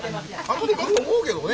後で来る思うけどねえ。